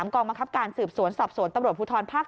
กองบังคับการสืบสวนสอบสวนตำรวจภูทรภาค๓